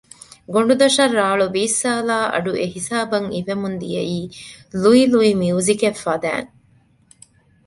ގޮނޑުދޮށަށް ރާޅު ބީއްސާލާ އަޑު އެ ހިސާބަށް އިވެމުން ދިއައީ ލުއި ލުއި މިޔުޒިކެއް ފަދައިން